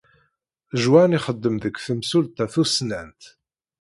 Juan ixeddem deg temsulta tussnant.